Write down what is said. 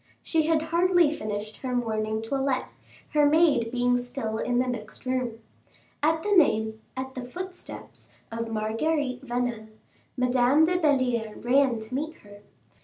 She had hardly finished her morning toilette, her maid being still in the next room. At the name at the footsteps of Marguerite Vanel, Madame de Belliere ran to meet her.